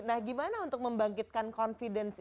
nah gimana untuk membangkitkan confidence